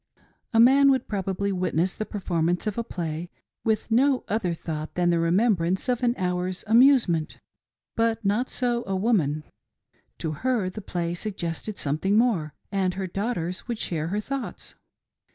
A man would probably witness the performance of a play and return from the theatre with no other thought than the remembrance of an hour's amusement. But not so a woman. To her the play suggested something more, and her daughters would share her thoughts.